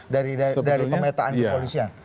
dari pemetaan kepolisian